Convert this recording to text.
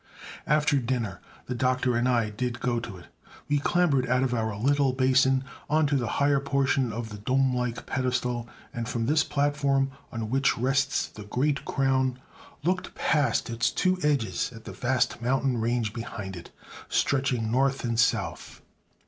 After dinner the Doctor and I did go to it. We clambered out of our little basin on to the higher portion of the domelike pedestal, and from this platform, on which rests the great crown, looked past its two edges at the vast mountain range behind it, stretching north and south.